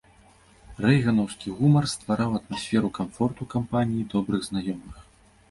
Рэйганаўскі гумар ствараў атмасферу камфорту кампаніі добрых знаёмых.